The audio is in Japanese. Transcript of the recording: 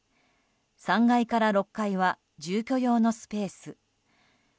３階から６階は住居用のスペース。